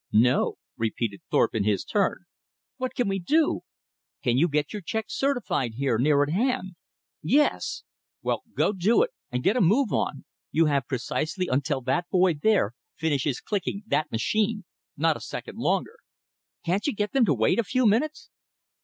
"No," repeated Thorpe in his turn. "What can we do?" "Can you get your check certified here near at hand?" "Yes." "Well, go do it. And get a move on you. You have precisely until that boy there finishes clicking that machine. Not a second longer." "Can't you get them to wait a few minutes?"